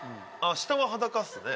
下は裸ですね。